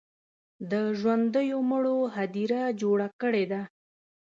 د ژوندو مړیو هدیره جوړه کړې ده.